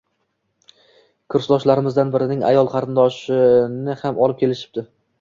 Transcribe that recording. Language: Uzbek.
Kasbdoshlarimizdan birining ayol qarindoshini ham olib kelishibdi